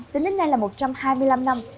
tính đến nay là một trăm hai mươi năm năm